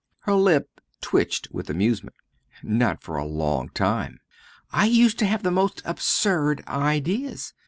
Her lip twitched with amusement. "Not for a long time. I used to have the most absurd ideas!